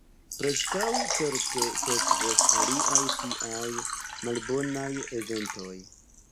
Preskaŭ certe sekvos aliaj tiaj malbonaj eventoj.